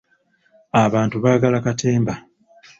Abantu baagala katemba.